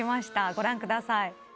ご覧ください。